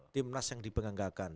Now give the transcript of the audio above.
timnas yang dibanggakan